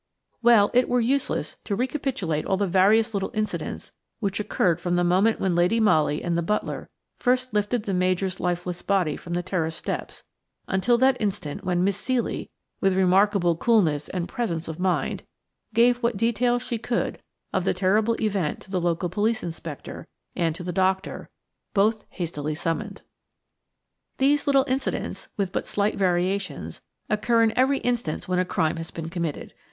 Well, it were useless to recapitulate all the various little incidents which occurred from the moment when Lady Molly and the butler first lifted the Major's lifeless body from the terrace steps until that instant when Miss Ceely, with remarkable coolness and presence of mind, gave what details she could of the terrible event to the local police inspector and to the doctor, both hastily summoned. These little incidents, with but slight variations, occur in every instance when a crime has been committed.